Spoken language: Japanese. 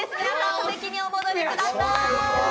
お席にお戻りください。